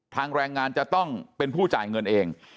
แรงงานจะต้องเป็นผู้จ่ายเงินเอง